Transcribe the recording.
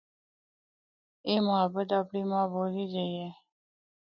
اے محبت اپڑی ماں بولی جئی اے۔